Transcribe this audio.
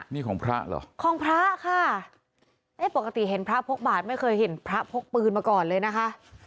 นี่ของพระเหรอของพระค่ะเอ๊ะปกติเห็นพระพกบาทไม่เคยเห็นพระพกปืนมาก่อนเลยนะคะ